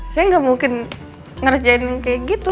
saya nggak mungkin ngerjain kayak gitu